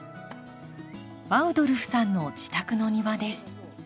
アウドルフさんの自宅の庭です。